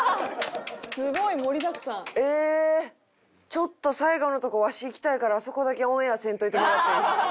ちょっと最後のとこわし行きたいからあそこだけオンエアせんといてもらっていい？